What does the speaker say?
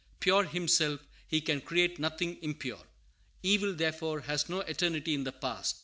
Pure himself, He can create nothing impure. Evil, therefore, has no eternity in the past.